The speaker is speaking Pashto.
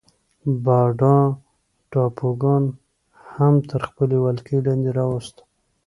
بانډا ټاپوګان هم تر خپلې ولکې لاندې راوسته.